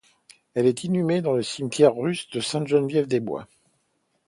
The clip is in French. Elle est inhumée dans le cimetière russe de Sainte-Geneviève-des-Bois.